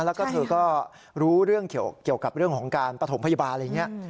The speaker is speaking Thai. แล้วก็เธอก็รู้เรื่องเกี่ยวกับเรื่องของการปฐมพยาบาลอะไรอย่างนี้